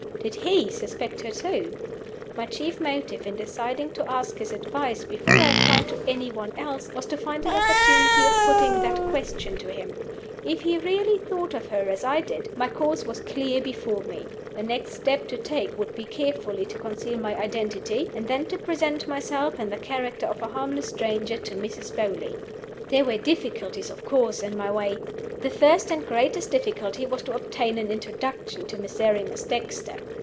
Did he suspect her too? My chief motive in deciding to ask his advice before I applied to any one else was to find an opportunity of putting that question to him. If he really thought of her as I did, my course was clear before me. The next step to take would be carefully to conceal my identity and then to present myself, in the character of a harmless stranger, to Mrs. Beauly. There were difficulties, of course, in my way. The first and greatest difficulty was to obtain an introduction to Miserrimus Dexter.